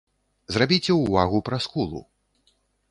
Зрабіце ўвагу пра скулу.